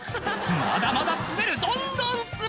まだまだ滑るどんどん滑る！